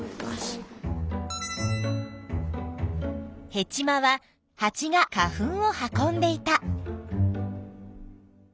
ヘチマはハチが花粉を運んでいた。